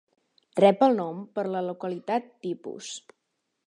Rep el nom per la localitat tipus.